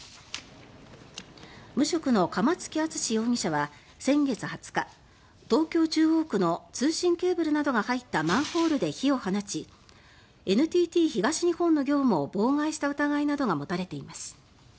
無職の釜付敦史容疑者は先月２０日東京・中央区の通信ケーブルなどが入ったマンホールで火を放ちＮＴＴ東日本の業務を妨害した疑いなどが持たれています。